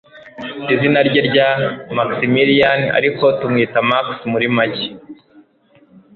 Izina rye rya Maximiliyani, ariko tumwita Max muri make